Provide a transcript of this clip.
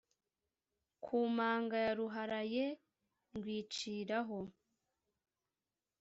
ku manga ya Ruharaye ndwiciraho.